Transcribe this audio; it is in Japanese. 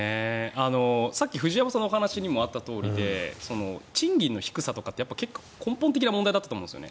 さっき、藤山さんのお話にもあったとおりで賃金の低さって結構、根本的な問題だったと思うんです。